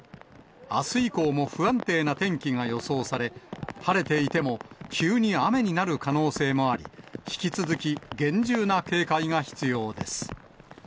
あす以降も不安定な天気が予想され、晴れていても、急に雨になる可能性もあり、引き続き厳重な警戒が必要です。